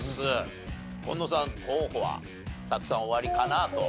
紺野さん候補はたくさんおありかなと。